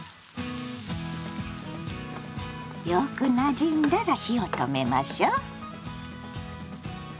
よくなじんだら火を止めましょう。